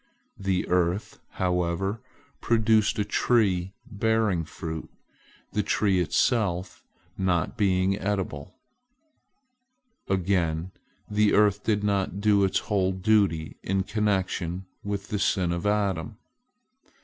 The earth, however, produced a tree bearing fruit, the tree itself not being edible. Again, the earth did not do its whole duty in connection with the sin of Adam.